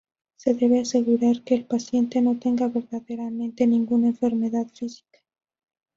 Se debe asegurar que el paciente no tenga verdaderamente ninguna enfermedad física.